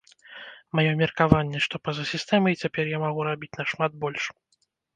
Маё меркаванне, што па-за сістэмай цяпер я магу рабіць нашмат больш.